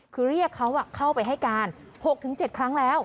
คือเรียกเขาเข้าไปให้การ๖๗ครั้งแล้ว